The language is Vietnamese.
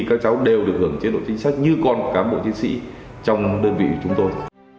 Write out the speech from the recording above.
các cháu đều được hưởng chế độ chính sách như con cám bộ chiến sĩ trong đơn vị của chúng tôi